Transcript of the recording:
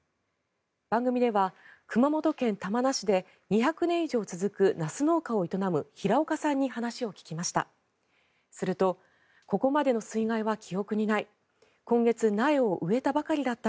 番組では熊本県玉名市で２００年以上続くナス農家を営む平岡さんに話を聞きました。